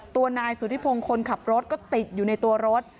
ตัวนายสุธิพงศ์คนขับรถก็ติดอยู่ในตัวรถ